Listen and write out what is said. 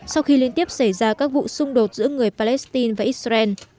sau khi liên tiếp xảy ra các vụ xung đột giữa người palestine và israel